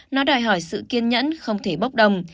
nó đòi hỏi sự kiên nhẫn không thể bốc đồng